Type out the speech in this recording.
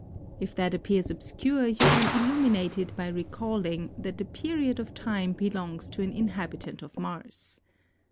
If that appears obscure, you can illuminate it by recalling that the period of time belongs to an inhabitant of Mars.